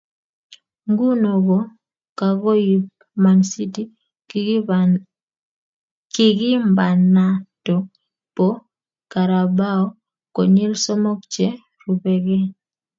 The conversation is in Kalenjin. Nguno ko kakoib Man City Kikimbanato bo Carabao konyil somok che rubekei.